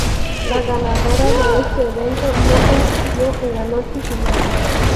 La ganadora de este evento no compitió en la noche Final.